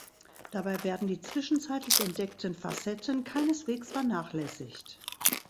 Dabei werden die zwischenzeitlich entdeckten Facetten keineswegs vernachlässigt.